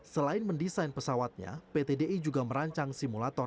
selain mendesain pesawatnya pt di juga merancang simulator n dua ratus sembilan belas